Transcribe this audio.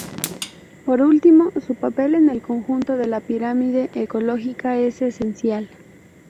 Por último, su papel en el conjunto de la pirámide ecológica es esencial.